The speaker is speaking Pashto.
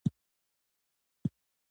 لمسی له خالې سره لوبې کوي.